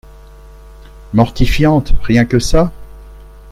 Mortifiante, rien que ça